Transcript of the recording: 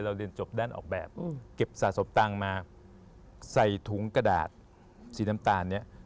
เรียนจบด้านออกแบบเก็บสะสมตังค์มาใส่ถุงกระดาษสีน้ำตาลเนี่ย